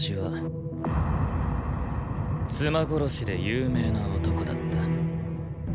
“妻殺し”で有名な男だった。